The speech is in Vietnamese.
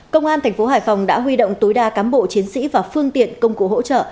công an thành phố hải phòng đã huy động tối đa cán bộ chiến sĩ và phương tiện công cụ hỗ trợ